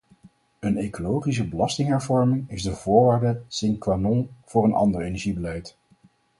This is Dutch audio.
Een ecologische belastinghervorming is de voorwaarde sine qua non voor een ander energiebeleid.